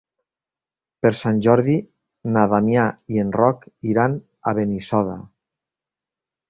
Per Sant Jordi na Damià i en Roc iran a Benissoda.